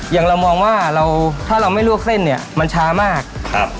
อย่างเรามองว่าเราถ้าเราไม่ลวกเส้นเนี่ยมันช้ามากครับ